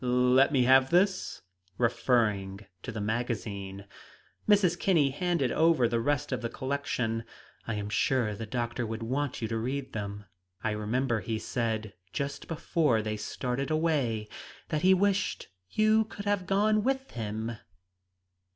"Let me have this?" referring to the magazine. Mrs. Kinney handed over the rest of the collection. "I am sure the doctor would want you to read them. I remember he said, just before they started away, that he wished you could have gone with him."